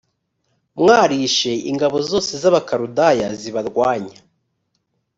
mwarishe ingabo zose z abakaludaya zibarwanya